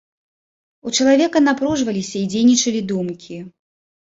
У чалавека напружваліся і дзейнічалі думкі.